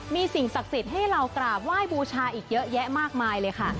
มีสิ่งศักดิ์สิทธิ์ให้เรากราบไหว้บูชาอีกเยอะแยะมากมายเลยค่ะ